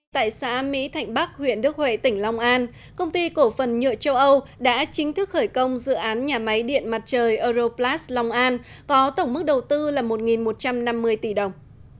tại xã mỹ thạnh bắc huyện đức huệ tỉnh long an công ty cổ phần nhựa châu âu đã chính thức khởi công dự án nhà máy điện mặt trời europlas long an có tổng mức đầu tư là một một trăm năm mươi tỷ đồng